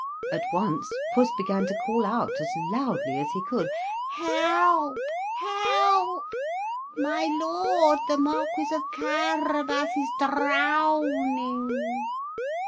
At once Puss began to call out as loudly as he could: "Help, help! My Lord the Marquis of Carabas is drowning!"